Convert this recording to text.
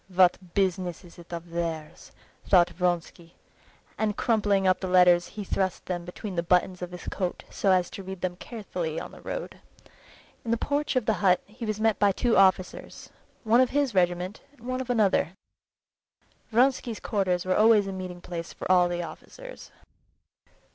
"What business is it of theirs!" thought Vronsky, and crumpling up the letters he thrust them between the buttons of his coat so as to read them carefully on the road. In the porch of the hut he was met by two officers; one of his regiment and one of another. Vronsky's quarters were always a meeting place for all the officers.